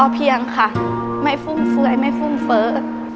พอเพียงค่ะไม่ฟุ่มเฟ้ยไม่ฟุ่มเปิ๊ส